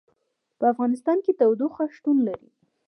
په افغانستان کې تودوخه شتون لري.